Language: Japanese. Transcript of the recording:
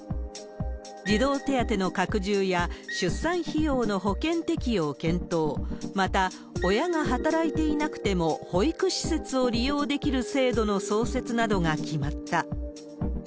児童手当の拡充や出産費用の保険適用検討、また、親が働いていなくても保育施設を利用できる制度の創設などが決まった。